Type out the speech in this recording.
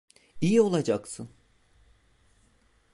İyi olacaksın.